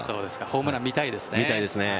ホームラン、見たいですね。